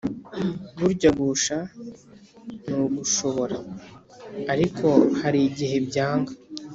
burya gusha ni gushobora ariko harigihe byanga